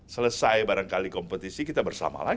selesai barangkali kompetisi kita bergabung